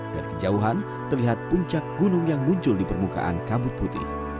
dari kejauhan terlihat puncak gunung yang muncul di permukaan kabut putih